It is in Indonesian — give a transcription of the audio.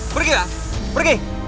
pergi lah pergi